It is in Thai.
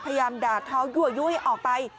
พยายามดาดเท้ายวยออกไป